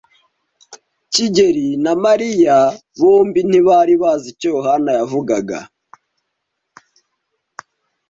kigeli na Mariya bombi ntibari bazi icyo Yohana yavugaga.